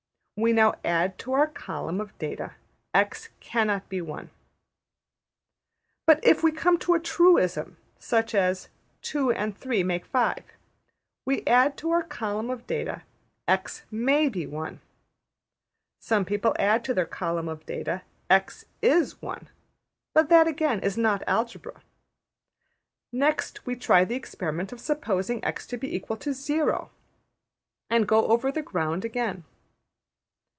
We now add to our column of data, ``$x$ cannot be 1.'' But if we come to a truism, such as ``2 and 3 make 5,'' we add to our column of data, ``$x$ may be 1.'' Some people add to their column of data, ``$x$ is 1,'' but that again is not Algebra. Next we try the experiment of supposing $x$ to be equal to zero (0), and go over the ground again.